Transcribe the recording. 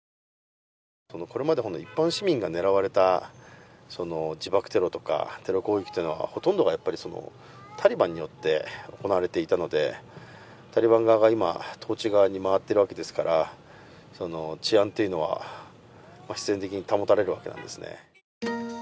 これまで一般市民が狙われた自爆テロとかテロ攻撃はほとんどが、タリバンによって行われていたのでタリバン側が統治側に回っているわけですから治安というのは必然的に保たれるわけですね。